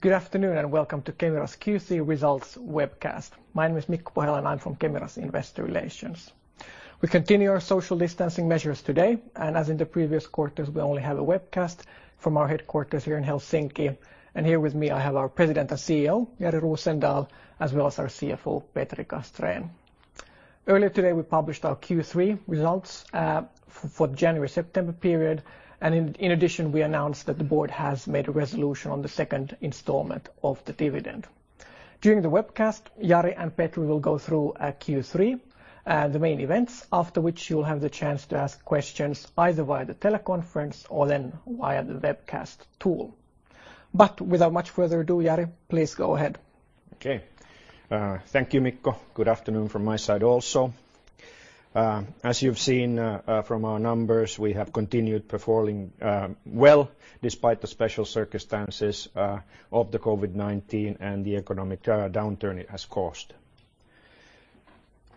Good afternoon and welcome to Kemira's Q3 results webcast. My name is Mikko Pohjala, and I'm from Kemira's Investor Relations. We continue our social distancing measures today, and as in the previous quarters, we only have a webcast from our headquarters here in Helsinki. Here with me, I have our President and CEO, Jari Rosendal, as well as our CFO, Petri Castrén. Earlier today, we published our Q3 results for the January-September period, and in addition, we announced that the board has made a resolution on the second installment of the dividend. During the webcast, Jari and Petri will go through Q3, the main events, after which you'll have the chance to ask questions either via the teleconference or then via the webcast tool. Without much further ado, Jari, please go ahead. Okay. Thank you, Mikko. Good afternoon from my side also. As you've seen from our numbers, we have continued performing well despite the special circumstances of the COVID-19 and the economic downturn it has caused.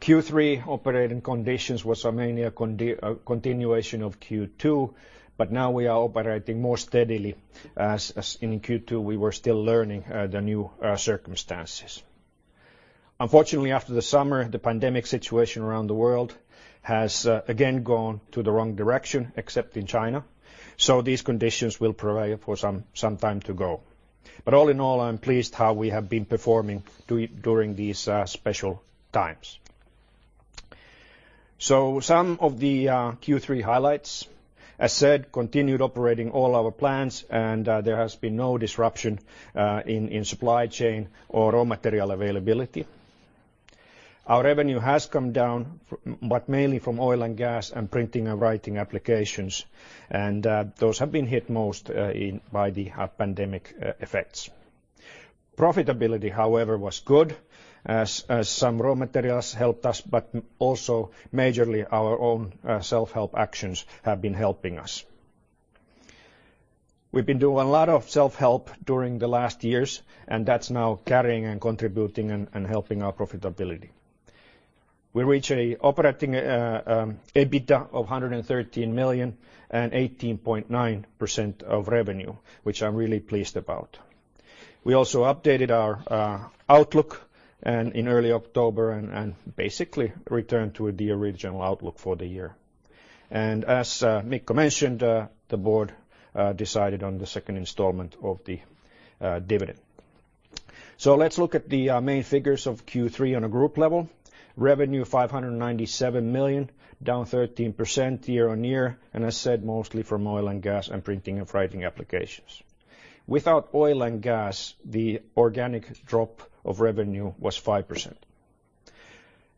Q3 operating conditions was mainly a continuation of Q2, but now we are operating more steadily, as in Q2 we were still learning the new circumstances. Unfortunately, after the summer, the pandemic situation around the world has again gone to the wrong direction except in China, so these conditions will prevail for some time to go. All in all, I'm pleased how we have been performing during these special times. Some of the Q3 highlights. As said, continued operating all our plants and there has been no disruption in supply chain or raw material availability. Our revenue has come down, but mainly from oil and gas and printing and writing applications, and those have been hit most by the pandemic effects. Profitability, however, was good as some raw materials helped us, but also majorly our own self-help actions have been helping us. We've been doing a lot of self-help during the last years, and that's now carrying and contributing and helping our profitability. We reach a operative EBITDA of 113 million and 18.9% of revenue, which I'm really pleased about. We also updated our outlook in early October and basically returned to the original outlook for the year. As Mikko mentioned, the board decided on the second installment of the dividend. Let's look at the main figures of Q3 on a group level. Revenue 597 million, down 13% year-on-year, and as said, mostly from oil and gas and printing and writing applications. Without oil and gas, the organic drop of revenue was 5%.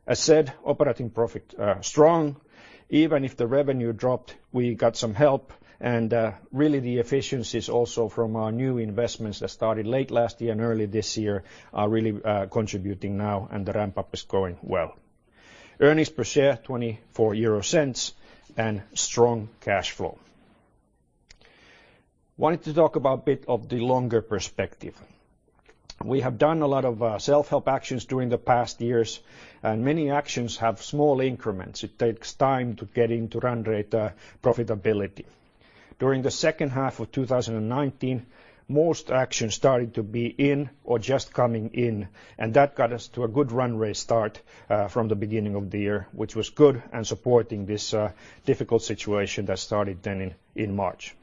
As said, operating profit strong. Even if the revenue dropped, we got some help and really the efficiencies also from our new investments that started late last year and early this year are really contributing now and the ramp-up is going well. Earnings per share, 0.24 and strong cash flow. Wanted to talk about a bit of the longer perspective. We have done a lot of self-help actions during the past years, and many actions have small increments. It takes time to get into run rate profitability. During the second half of 2019, most actions started to be in or just coming in, and that got us to a good run rate start from the beginning of the year, which was good and supporting this difficult situation that started then in March.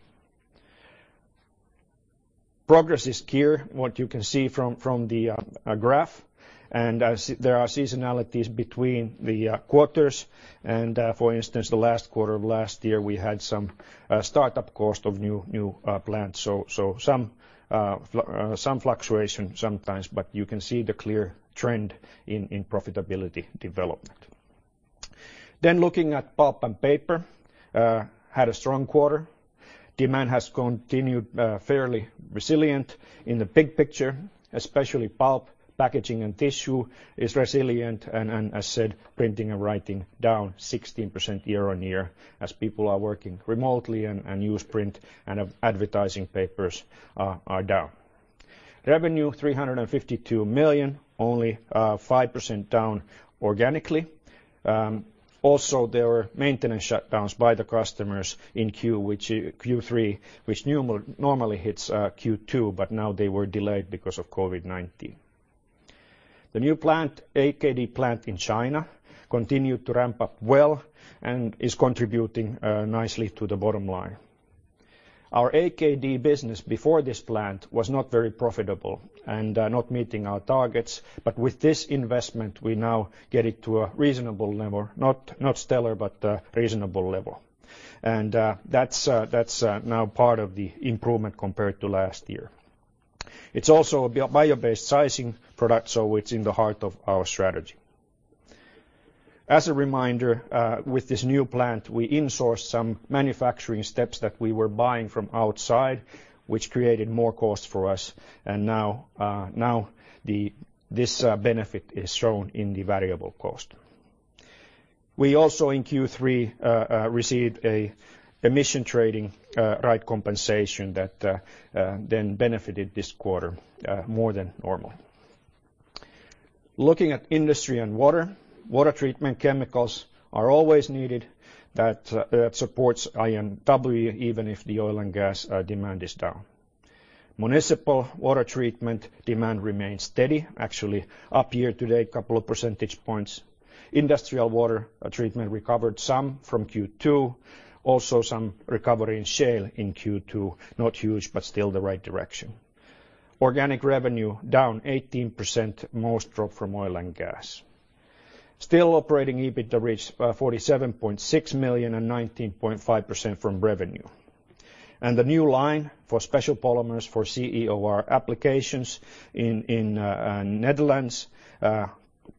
Progress is clear, what you can see from the graph, and there are seasonalities between the quarters. For instance, the last quarter of last year, we had some startup costs of new plants. Some fluctuation sometimes, but you can see the clear trend in profitability developed. Looking at Pulp & Paper, had a strong quarter. Demand has continued fairly resilient in the big picture, especially pulp, packaging, and tissue is resilient and as said, printing and writing down 16% year-on-year as people are working remotely and newsprint and advertising papers are down. Revenue 352 million, only 5% down organically. Also, there were maintenance shutdowns by the customers in Q3, which normally hits Q2, but now they were delayed because of COVID-19. The new plant, AKD plant in China, continued to ramp up well and is contributing nicely to the bottom line. Our AKD business before this plant was not very profitable and not meeting our targets, but with this investment, we now get it to a reasonable level, not stellar, but a reasonable level. That's now part of the improvement compared to last year. It's also a bio-based sizing product, it's in the heart of our strategy. As a reminder, with this new plant, we insourced some manufacturing steps that we were buying from outside, which created more costs for us. Now this benefit is shown in the variable cost. We also in Q3 received a emission trading right compensation that then benefited this quarter more than normal. Looking at Industry & Water, water treatment chemicals are always needed that supports I&W even if the oil and gas demand is down. Municipal water treatment demand remains steady. Actually up year-to-date, couple of percentage points. Industrial water treatment recovered some from Q2, also some recovery in shale in Q2, not huge, but still the right direction. Organic revenue down 18%, most drop from oil and gas. Still, operative EBITDA reached 47.6 million and 19.5% from revenue. The new line for special polymers for CEOR applications in Netherlands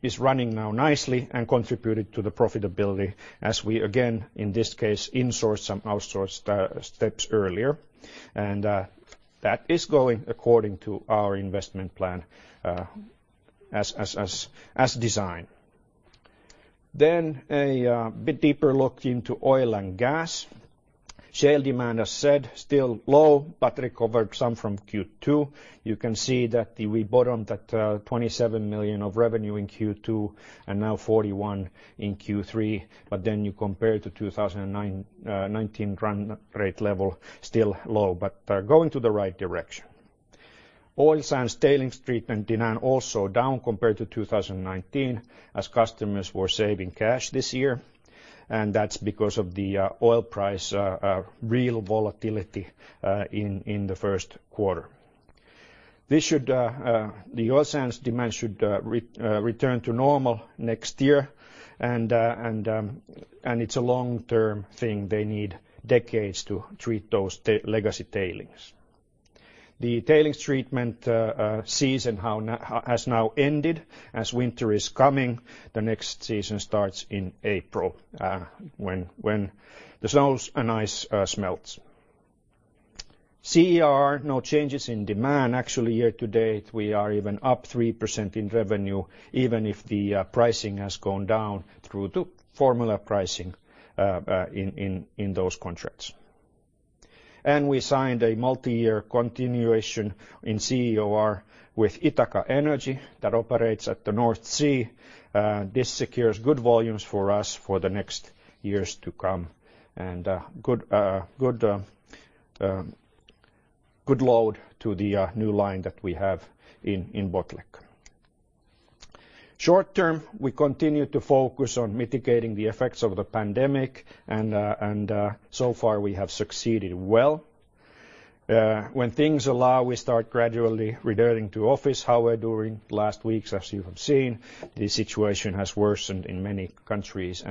is running now nicely and contributed to the profitability as we again, in this case, insourced some outsourced steps earlier. That is going according to our investment plan as designed. A bit deeper look into oil and gas. Shale demand, as said, still low, but recovered some from Q2. You can see that we bottomed at 27 million of revenue in Q2 and now 41 million in Q3, but then you compare to 2019 run rate level, still low, but going to the right direction. Oil sands tailings treatment demand also down compared to 2019 as customers were saving cash this year. That's because of the oil price real volatility in the first quarter. The oil sands demand should return to normal next year. It's a long-term thing. They need decades to treat those legacy tailings. The tailings treatment season has now ended as winter is coming. The next season starts in April, when the snows and ice melts. CEOR, no changes in demand. Actually, year to date, we are even up 3% in revenue, even if the pricing has gone down through to formula pricing in those contracts. We signed a multi-year continuation in CEOR with Ithaca Energy that operates at the North Sea. This secures good volumes for us for the next years to come and good load to the new line that we have in Botlek. Short-term, we continue to focus on mitigating the effects of the pandemic. So far we have succeeded well. When things allow, we start gradually returning to office. However, during last weeks, as you have seen, the situation has worsened in many countries.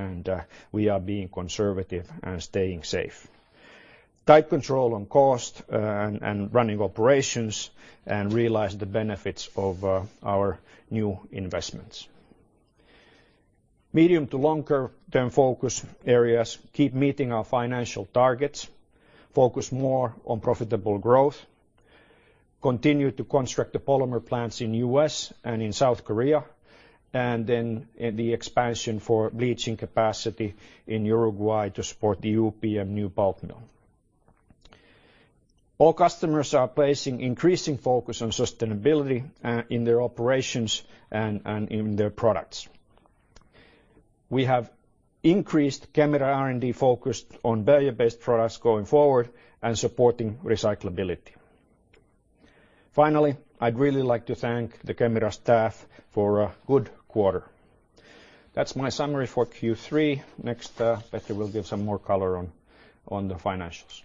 We are being conservative and staying safe, tight control on cost and running operations, and realize the benefits of our new investments. Medium to longer-term focus areas, keep meeting our financial targets, focus more on profitable growth, continue to construct the polymer plants in U.S. and in South Korea, the expansion for bleaching capacity in Uruguay to support the UPM new pulp mill. All customers are placing increasing focus on sustainability in their operations and in their products. We have increased Kemira R&D focus on barrier-based products going forward and supporting recyclability. Finally, I'd really like to thank the Kemira staff for a good quarter. That's my summary for Q3. Next, Petri will give some more color on the financials.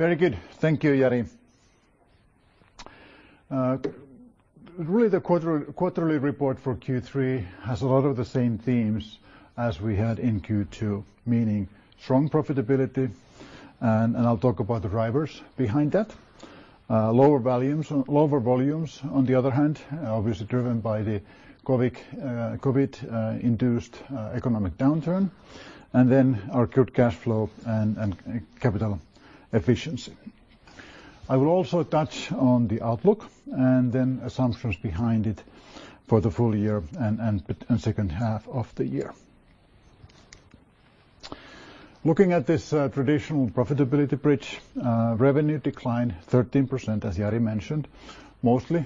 Very good. Thank you, Jari. The quarterly report for Q3 has a lot of the same themes as we had in Q2, meaning strong profitability, and I'll talk about the drivers behind that. Lower volumes, on the other hand, obviously driven by the COVID-induced economic downturn, and our good cash flow and capital efficiency. I will also touch on the outlook and then assumptions behind it for the full year and second half of the year. Looking at this traditional profitability bridge, revenue declined 13%, as Jari mentioned, mostly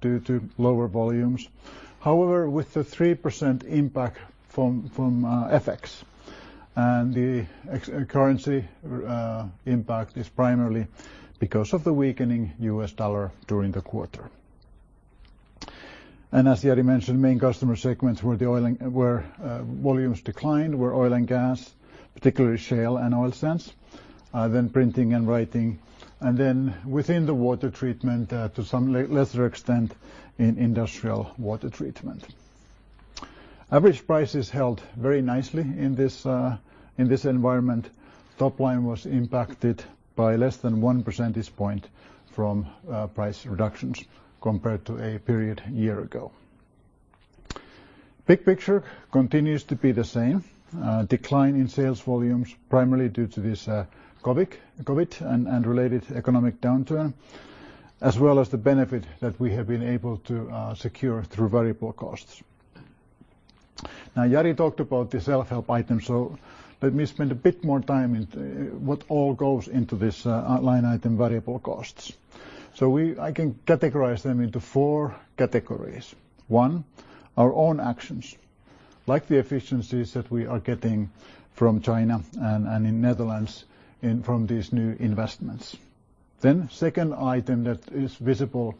due to lower volumes. However, with the 3% impact from FX, the currency impact is primarily because of the weakening U.S. dollar during the quarter. As Jari mentioned, main customer segments where volumes declined were oil and gas, particularly shale and oil sands, then printing and writing, and then within the water treatment, to some lesser extent, in industrial water treatment. Average prices held very nicely in this environment. Top line was impacted by less than one percentage point from price reductions compared to a period a year ago. Big picture continues to be the same. Decline in sales volumes primarily due to this COVID and related economic downturn. As well as the benefit that we have been able to secure through variable costs. Now, Jari talked about the self-help items, let me spend a bit more time into what all goes into this line item variable costs. I can categorize them into four categories. One, our own actions, like the efficiencies that we are getting from China and in Netherlands and from these new investments. Second item that is visible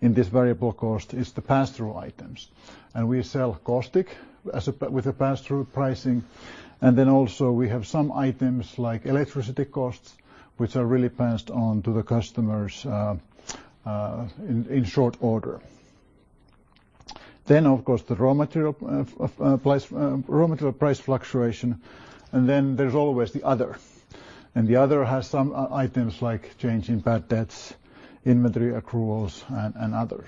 in this variable cost is the pass-through items. We sell caustic with a pass-through pricing, and also we have some items like electricity costs, which are really passed on to the customers in short order. Of course, the raw material price fluctuation, and there's always the other. The other has some items like change in bad debts, inventory accruals, and other.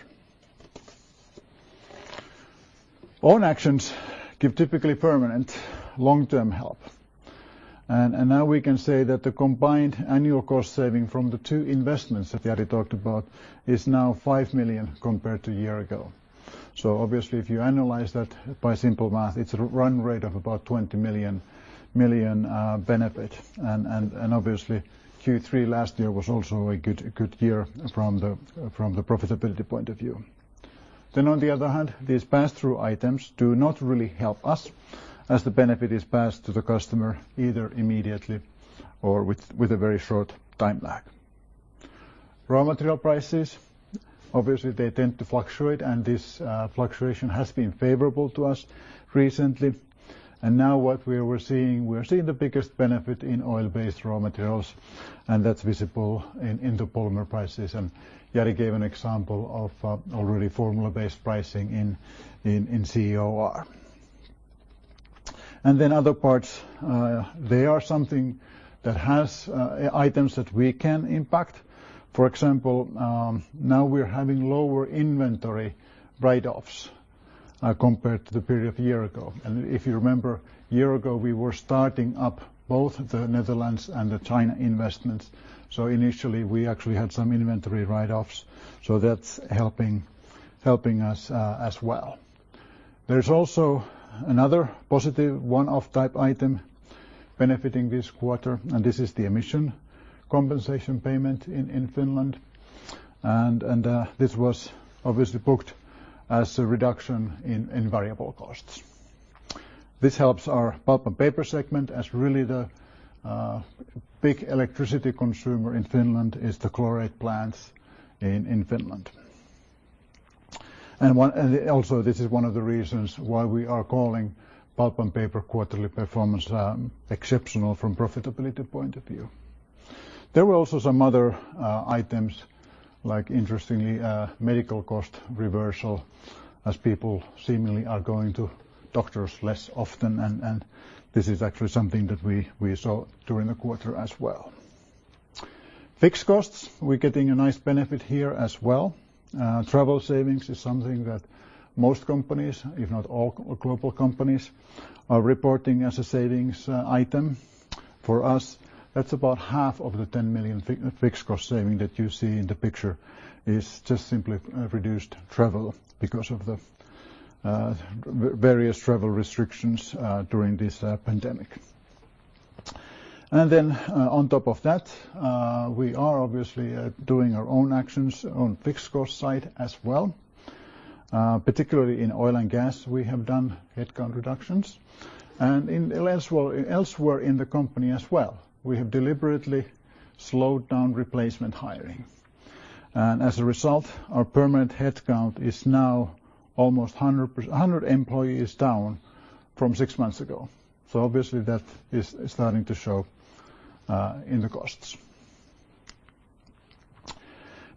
Own actions give typically permanent long-term help. Now we can say that the combined annual cost saving from the two investments that Jari talked about is now 5 million compared to a year ago. Obviously, if you analyze that by simple math, it's a run rate of about 20 million benefit. Obviously, Q3 last year was also a good year from the profitability point of view. These pass-through items do not really help us as the benefit is passed to the customer either immediately or with a very short time lag. Raw material prices, obviously they tend to fluctuate, and this fluctuation has been favorable to us recently. We are seeing the biggest benefit in oil-based raw materials, and that's visible in the polymer prices. Jari gave an example of already formula-based pricing in CEOR. Then other parts, they are something that has items that we can impact. For example, now we're having lower inventory write-offs compared to the period of a year ago. If you remember, a year ago, we were starting up both the Netherlands and the China investments. Initially, we actually had some inventory write-offs. That's helping us as well. There's also another positive one-off type item benefiting this quarter, and this is the emission compensation payment in Finland. This was obviously booked as a reduction in variable costs. This helps our Pulp & Paper segment as really the big electricity consumer in Finland is the chlorate plants in Finland. This is one of the reasons why we are calling Pulp & Paper quarterly performance exceptional from profitability point of view. There were also some other items, like interestingly, medical cost reversal, as people seemingly are going to doctors less often. This is actually something that we saw during the quarter as well. Fixed costs, we're getting a nice benefit here as well. Travel savings is something that most companies, if not all global companies, are reporting as a savings item. For us, that's about 1/2 of the 10 million fixed cost saving that you see in the picture is just simply reduced travel because of the various travel restrictions during this pandemic. On top of that, we are obviously doing our own actions on fixed cost side as well. Particularly in oil and gas, we have done headcount reductions. Elsewhere in the company as well, we have deliberately slowed down replacement hiring. As a result, our permanent headcount is now almost 100 employees down from six months ago. Obviously, that is starting to show in the costs.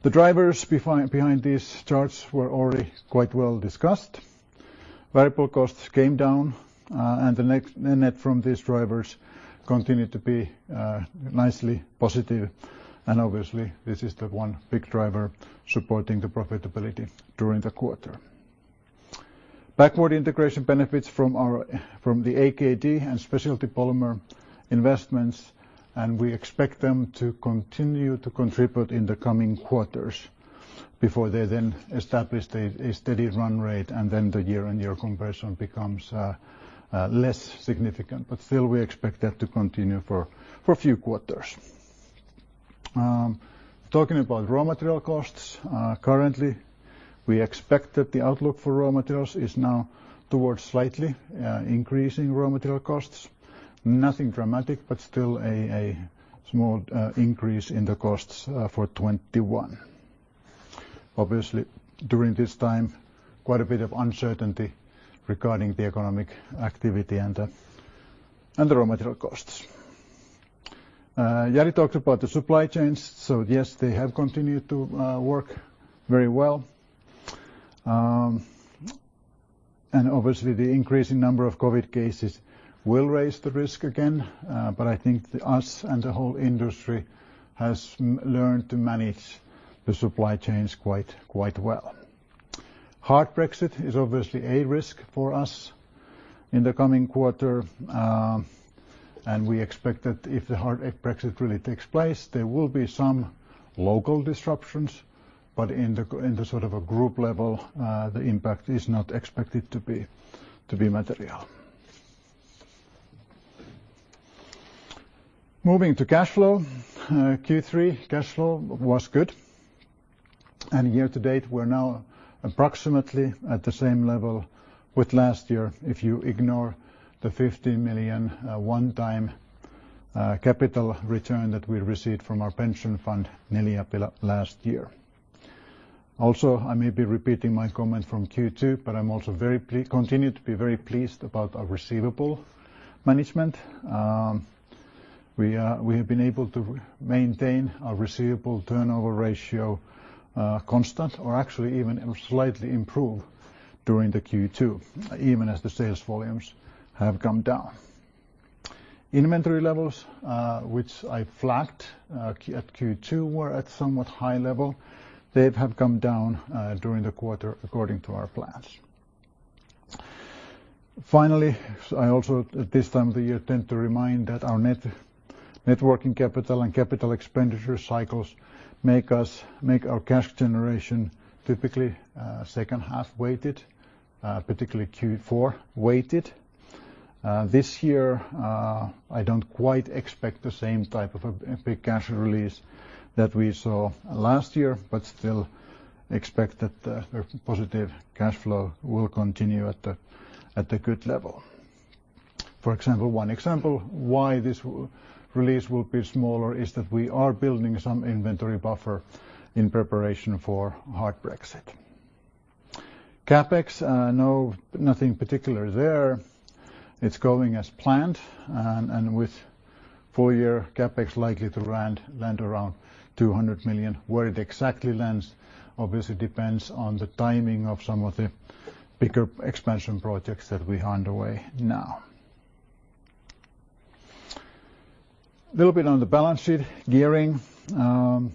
The drivers behind these charts were already quite well discussed. Variable costs came down, the net from these drivers continued to be nicely positive. Obviously, this is the one big driver supporting the profitability during the quarter. Backward integration benefits from the AKD and specialty polymer investments. We expect them to continue to contribute in the coming quarters before they then establish a steady run rate. The year-on-year comparison becomes less significant. Still, we expect that to continue for a few quarters. Talking about raw material costs, currently, we expect that the outlook for raw materials is now towards slightly increasing raw material costs. Nothing dramatic, but still a small increase in the costs for 2021. Obviously, during this time, quite a bit of uncertainty regarding the economic activity and the raw material costs. Jari talked about the supply chains. Yes, they have continued to work very well. Obviously, the increasing number of COVID cases will raise the risk again. I think us and the whole industry has learned to manage the supply chains quite well. Hard Brexit is obviously a risk for us in the coming quarter, and we expect that if the hard Brexit really takes place, there will be some local disruptions, but in the group level, the impact is not expected to be material. Moving to cash flow. Q3 cash flow was good. Year to date, we're now approximately at the same level with last year if you ignore the 50 million one-time capital return that we received from our pension fund nearly last year. I may be repeating my comment from Q2, but I'm also continue to be very pleased about our receivable management. We have been able to maintain our receivable turnover ratio constant or actually even slightly improve during the Q2, even as the sales volumes have come down. Inventory levels which I flagged at Q2 were at somewhat high level. They have come down during the quarter according to our plans. Finally, I also at this time of the year tend to remind that our net working capital and capital expenditure cycles make our cash generation typically second half weighted, particularly Q4 weighted. This year, I don't quite expect the same type of a big cash release that we saw last year, but still expect that the positive cash flow will continue at a good level. One example why this release will be smaller is that we are building some inventory buffer in preparation for hard Brexit. CapEx, nothing particular there. It's going as planned and with full year CapEx likely to land around 200 million. Where it exactly lands obviously depends on the timing of some of the bigger expansion projects that we are underway now. Little bit on the balance sheet gearing. Due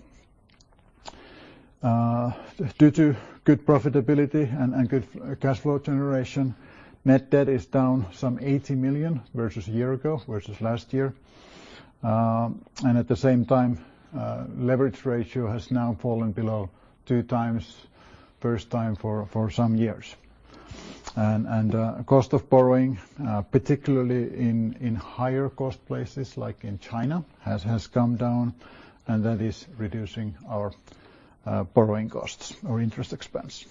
to good profitability and good cash flow generation, net debt is down some 80 million versus a year ago, versus last year. At the same time, leverage ratio has now fallen below 2x, first time for some years. Cost of borrowing, particularly in higher cost places like in China, has come down and that is reducing our borrowing costs or interest expense.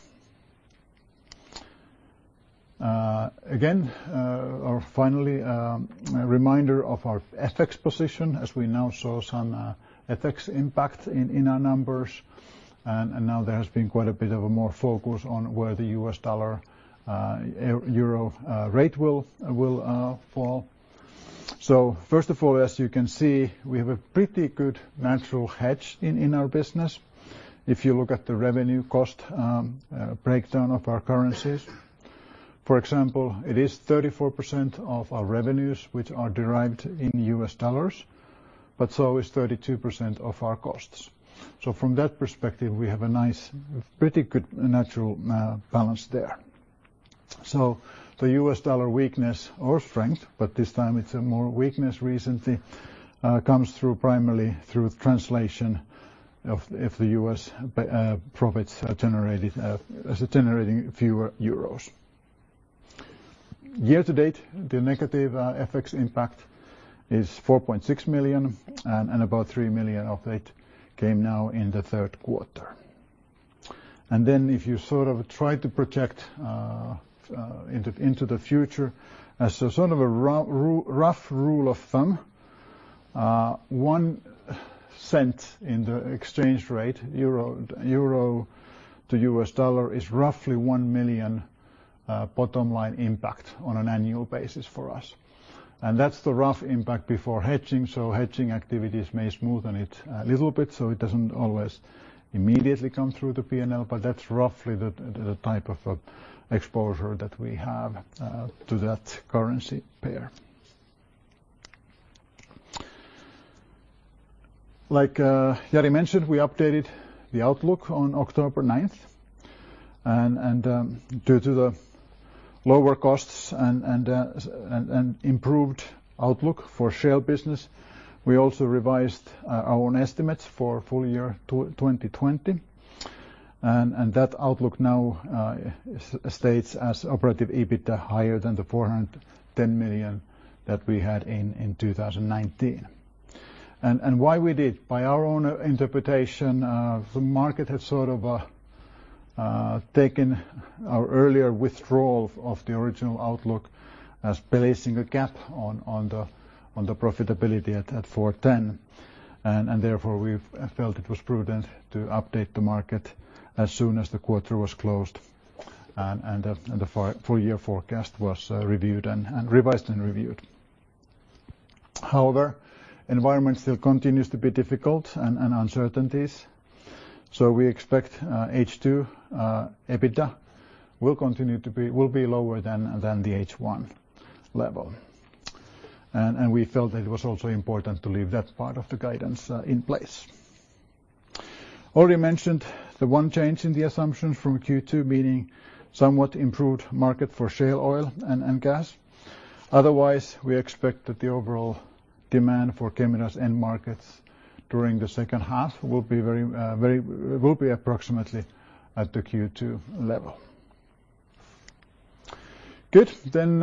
Again, or finally, a reminder of our FX position as we now saw some FX impact in our numbers and now there has been quite a bit of a more focus on where the U.S. dollar, euro rate will fall. First of all, as you can see, we have a pretty good natural hedge in our business if you look at the revenue cost breakdown of our currencies. For example, it is 34% of our revenues which are derived in U.S. dollars, but so is 32% of our costs. From that perspective, we have a nice, pretty good natural balance there. The U.S. dollar weakness or strength, but this time it's a more weakness recently, comes through primarily through translation of the U.S. profits as generating fewer euros. Year to date, the negative FX impact is 4.6 million and about 3 million of it came now in the third quarter. If you try to project into the future as a rough rule of thumb, 0.01 in the exchange rate euro to U.S. dollar is roughly 1 million bottom line impact on an annual basis for us. That's the rough impact before hedging, so hedging activities may smoothen it a little bit so it doesn't always immediately come through the P&L, but that's roughly the type of exposure that we have to that currency pair. Like Jari mentioned, we updated the outlook on October 9th and due to the lower costs and improved outlook for shale business, we also revised our own estimates for full year 2020, and that outlook now states as operative EBITDA higher than the 410 million that we had in 2019. Why we did, by our own interpretation, the market had sort of taken our earlier withdrawal of the original outlook as placing a gap on the profitability at 410 million and therefore we felt it was prudent to update the market as soon as the quarter was closed and the full year forecast was revised and reviewed. However, environment still continues to be difficult and uncertainties, so we expect H2 EBITDA will be lower than the H1 level. We felt that it was also important to leave that part of the guidance in place. Already mentioned the one change in the assumptions from Q2, meaning somewhat improved market for shale oil and gas. Otherwise, we expect that the overall demand for Kemira's end markets during the second half will be approximately at the Q2 level. Good.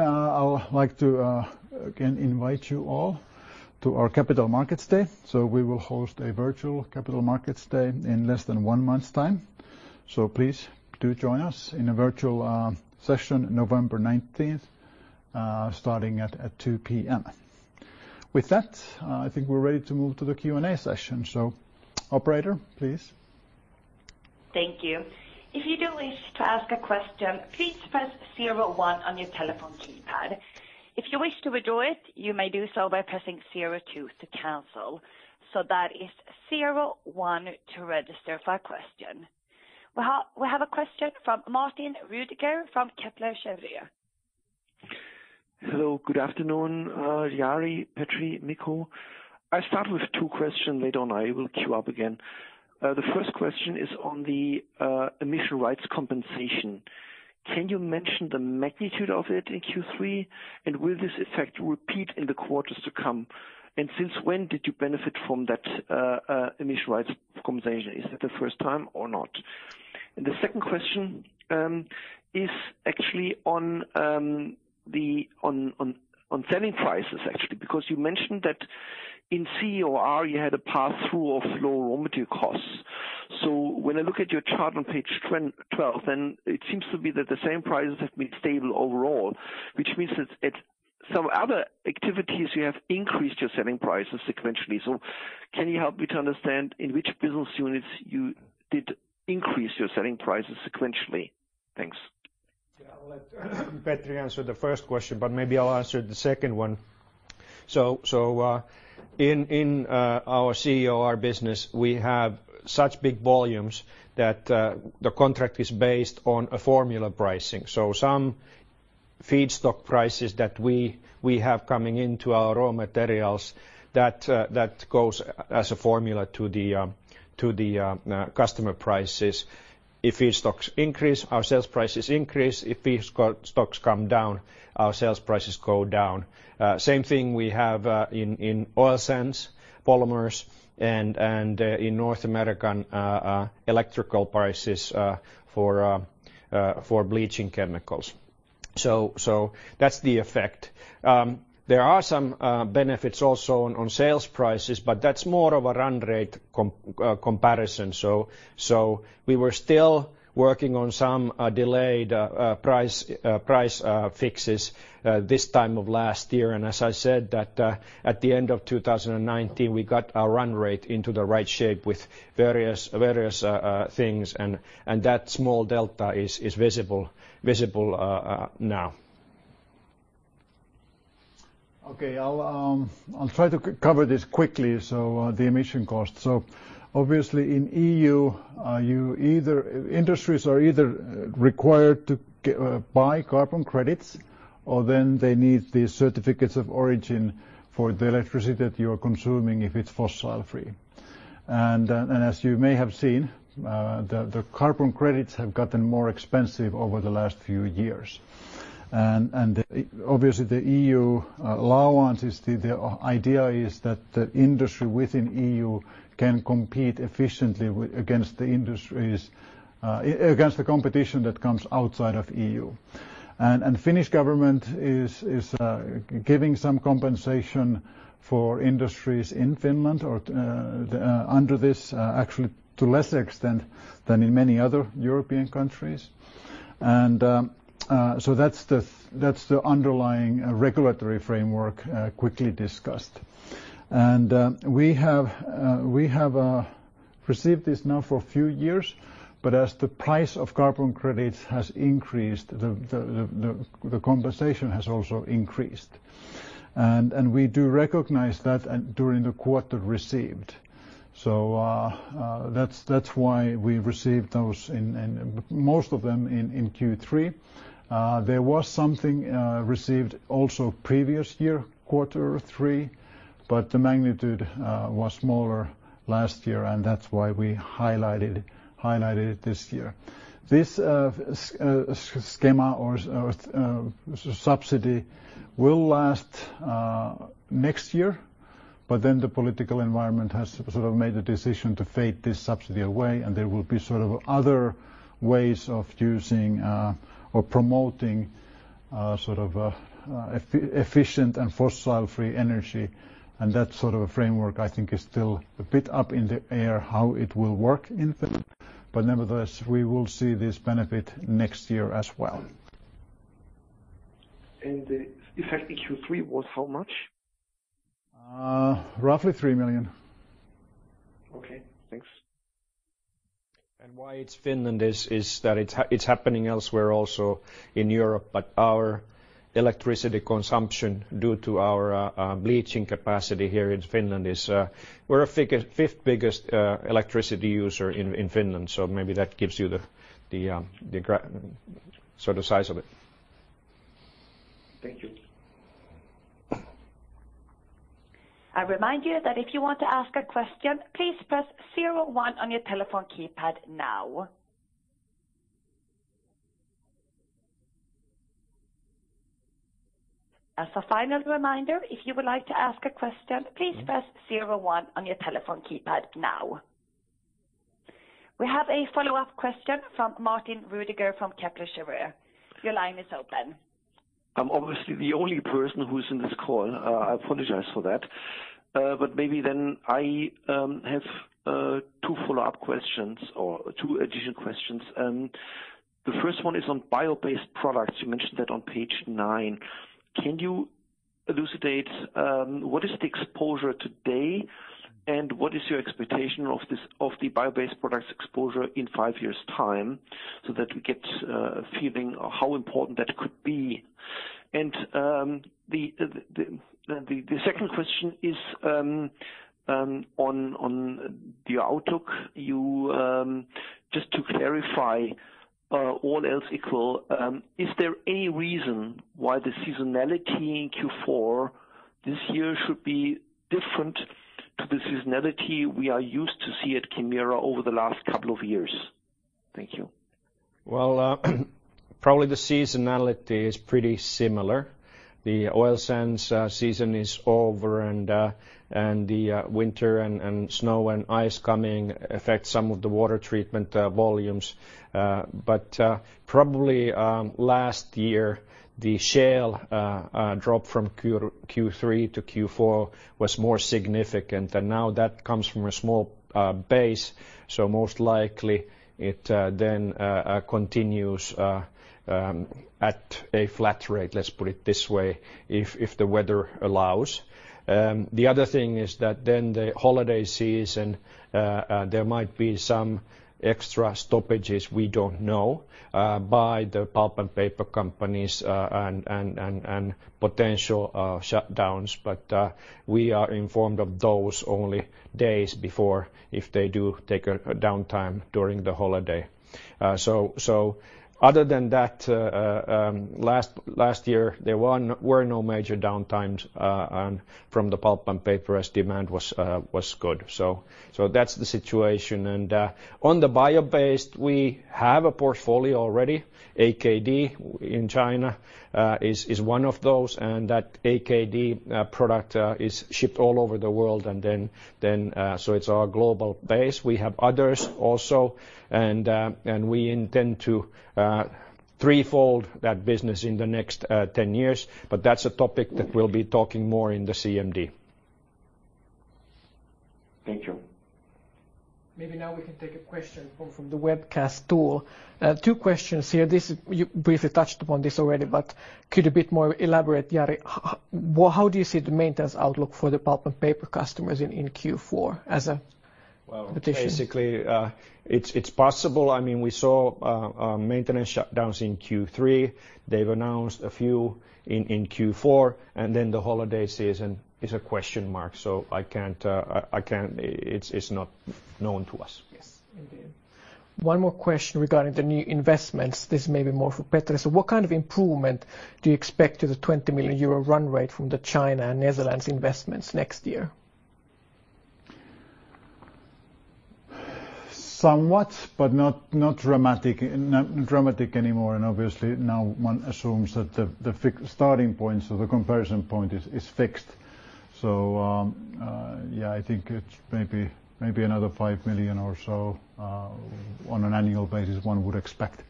I'll like to, again, invite you all to our Capital Markets Day. We will host a virtual Capital Markets Day in less than one month's time. Please do join us in a virtual session November 19th, starting at 2:00 P.M. With that, I think we're ready to move to the Q&A session. Operator, please. Thank you. If you do wish to ask a question, please press zero one on your telephone keypad. If you wish to withdraw it, you may do so by pressing zero two to cancel. That is zero one to register for a question. We have a question from Martin Roediger from Kepler Cheuvreux. Hello. Good afternoon, Jari, Petri, Mikko. I'll start with two questions. Later on, I will queue up again. The first question is on the emission rights compensation. Can you mention the magnitude of it in Q3? Will this effect repeat in the quarters to come? Since when did you benefit from that emission rights compensation? Is it the first time or not? The second question is actually on selling prices, actually, because you mentioned that in CEOR you had a pass-through of low raw material costs. When I look at your chart on page 12, it seems to be that the same prices have been stable overall, which means that some other activities you have increased your selling prices sequentially. Can you help me to understand in which business units you did increase your selling prices sequentially? Thanks. Yeah, I'll let Petri answer the first question, but maybe I'll answer the second one. In our CEOR business, we have such big volumes that the contract is based on a formula pricing. Some feedstock prices that we have coming into our raw materials, that goes as a formula to the customer prices. If feedstocks increase, our sales prices increase. If feedstocks come down, our sales prices go down. Same thing we have in oil sands, polymers, and in North American electrical prices for bleaching chemicals. That's the effect. There are some benefits also on sales prices, but that's more of a run rate comparison. We were still working on some delayed price fixes this time of last year and as I said, that at the end of 2019, we got our run rate into the right shape with various things, and that small delta is visible now. Okay. I'll try to cover this quickly, the emission cost. Obviously in EU, industries are either required to buy carbon credits, or then they need the certificates of origin for the electricity that you're consuming if it's fossil-free. As you may have seen, the carbon credits have gotten more expensive over the last few years. Obviously the EU allowance, the idea is that the industry within EU can compete efficiently against the competition that comes outside of EU. Finnish government is giving some compensation for industries in Finland under this, actually to less extent than in many other European countries. That's the underlying regulatory framework quickly discussed. We have received this now for a few years, but as the price of carbon credits has increased, the compensation has also increased. We do recognize that during the quarter received. That's why we received those, most of them in Q3. There was something received also previous year, quarter three, the magnitude was smaller last year, that's why we highlighted it this year. This schema or subsidy will last next year, but then the political environment has sort of made a decision to fade this subsidy away, there will be sort of other ways of using or promoting sort of efficient and fossil-free energy, and that sort of a framework, I think, is still a bit up in the air how it will work in Finland. Nevertheless, we will see this benefit next year as well. The effect in Q3 was how much? Roughly EUR 3 million. Okay, thanks. Why it's Finland is that it's happening elsewhere also in Europe, but our electricity consumption due to our bleaching capacity here in Finland is we're fifth biggest electricity user in Finland. Maybe that gives you the sort of size of it. Thank you. I remind you that if you want to ask a question, please press zero one on your telephone keypad now. As a final reminder, if you would like to ask a question, please press zero one on your telephone keypad now. We have a follow-up question from Martin Roediger from Kepler Cheuvreux. Your line is open. I'm obviously the only person who's in this call. I apologize for that. Maybe then I have two follow-up questions or two additional questions. The first one is on bio-based products. You mentioned that on page nine. Can you elucidate what is the exposure today, and what is your expectation of the bio-based products exposure in five years' time, so that we get a feeling of how important that could be? The second question is on the outlook. Just to clarify, all else equal, is there any reason why the seasonality in Q4 this year should be different to the seasonality we are used to see at Kemira over the last couple of years? Thank you. Well probably the seasonality is pretty similar. The oil sands season is over and the winter and snow and ice coming affects some of the water treatment volumes. Probably last year, the shale drop from Q3 to Q4 was more significant, and now that comes from a small base. Most likely it then continues at a flat rate, let's put it this way, if the weather allows. The other thing is that then the holiday season, there might be some extra stoppages, we don't know, by the Pulp & Paper companies and potential shutdowns. We are informed of those only days before if they do take a downtime during the holiday. Other than that, last year there were no major downtimes from the Pulp & Paper as demand was good. That's the situation. On the bio-based, we have a portfolio already. AKD in China is one of those. That AKD product is shipped all over the world. It's our global base. We have others also. We intend to threefold that business in the next 10 years. That's a topic that we'll be talking more in the CMD. Thank you. Maybe now we can take a question from the webcast, too. Two questions here. You briefly touched upon this already, but could a bit more elaborate, Jari? How do you see the maintenance outlook for the Pulp & Paper customers in Q4 as a question? Well, basically, it's possible. We saw maintenance shutdowns in Q3. They've announced a few in Q4. The holiday season is a question mark. It's not known to us. Yes, indeed. One more question regarding the new investments. This may be more for Petri. What kind of improvement do you expect to the 20 million euro run rate from the China and Netherlands investments next year? Somewhat, but not dramatic anymore. Obviously, now one assumes that the starting point, so the comparison point is fixed. Yeah, I think it's maybe another 5 million or so on an annual basis one would expect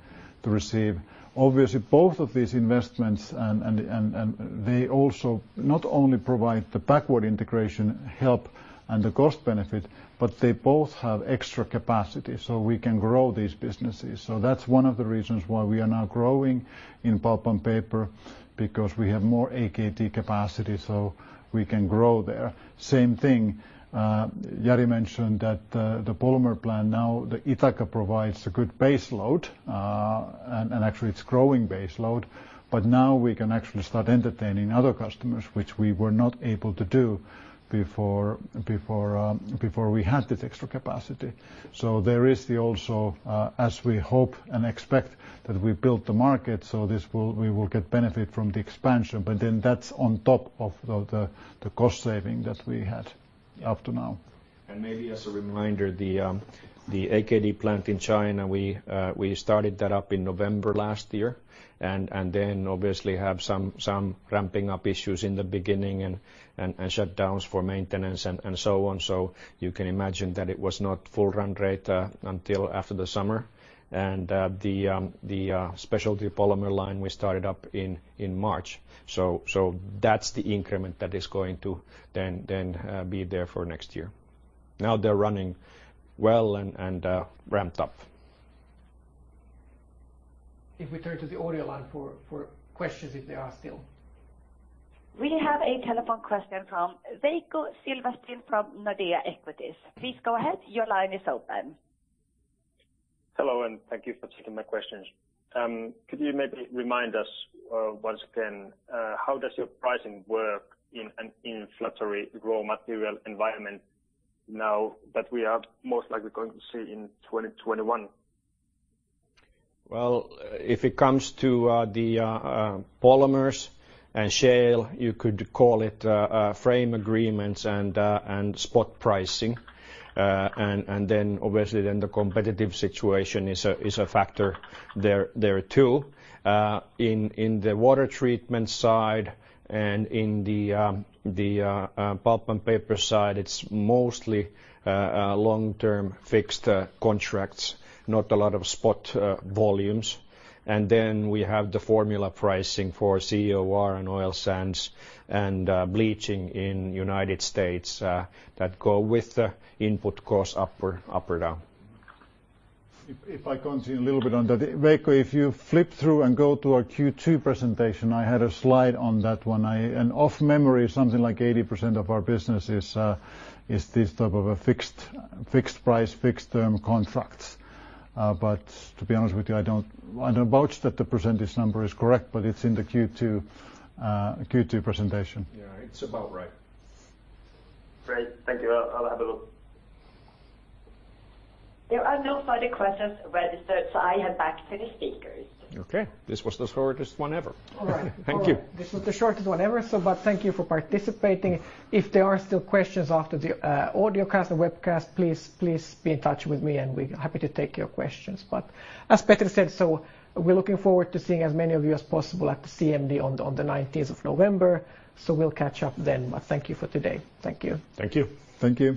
to receive. Obviously, both of these investments not only provide the backward integration help and the cost benefit, but they both have extra capacity so we can grow these businesses. That's one of the reasons why we are now growing in Pulp & Paper because we have more AKD capacity so we can grow there. Same thing, Jari mentioned that the polymer plant now, the Ithaca provides a good base load, and actually it's growing base load, but now we can actually start entertaining other customers, which we were not able to do before we had this extra capacity. There is the also, as we hope and expect that we build the market, so we will get benefit from the expansion, but then that's on top of the cost saving that we had up to now. Maybe as a reminder, the AKD plant in China, we started that up in November last year, and then obviously have some ramping up issues in the beginning and shutdowns for maintenance and so on. You can imagine that it was not full run rate until after the summer. The specialty polymer line we started up in March. That's the increment that is going to then be there for next year. Now they're running well and ramped up. If we turn to the audio line for questions, if there are still. We have a telephone question from Veikko Silvasti from Nordea Equities. Please go ahead. Your line is open. Hello, and thank you for taking my questions. Could you maybe remind us once again, how does your pricing work in an inflationary raw material environment now that we are most likely going to see in 2021? Well, if it comes to the polymers and shale, you could call it frame agreements and spot pricing. Then obviously, then the competitive situation is a factor there, too. In the water treatment side and in the Pulp & Paper side, it's mostly long-term fixed contracts, not a lot of spot volumes. Then we have the formula pricing for CEOR and oil sands and bleaching in United States that go with the input cost up or down. If I continue a little bit on that. Veikko, if you flip through and go to our Q2 presentation, I had a slide on that one. Off memory, something like 80% of our business is this type of a fixed price, fixed-term contracts. To be honest with you, I don't vouch that the percentage number is correct, but it's in the Q2 presentation. Yeah, it's about right. Great. Thank you. I'll have a look. There are no further questions registered, so I hand back to the speakers. Okay. This was the shortest one ever. All right. Thank you. This was the shortest one ever so but thank you for participating. If there are still questions after the audio cast and webcast, please be in touch with me and we're happy to take your questions. As Petri said, we're looking forward to seeing as many of you as possible at the CMD on the 19th of November. We'll catch up then. Thank you for today. Thank you. Thank you. Thank you.